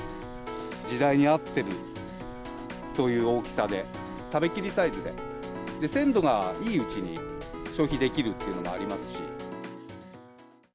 時代に合ってるという大きさで、食べきりサイズで、鮮度がいいうちに消費できるっていうのがありますし。